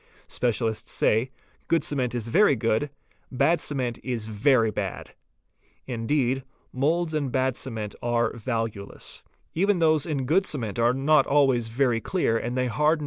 Specialists say, 'Good cement is very — good; bad cement is very bad." Indeed moulds in bad cement are value less. Even those in good cement are not always very clear and they ~ harden.